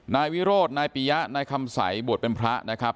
นายวิโรธนายปียะนายคำสัยบวชเป็นพระนะครับ